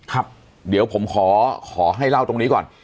ครับเดี๋ยวผมขอขอให้เล่าตรงนี้ก่อน